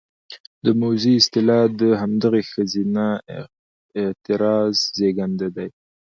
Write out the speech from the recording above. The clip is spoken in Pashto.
د موذي اصطلاح د همدغې ښځينه اعتراض زېږنده دى: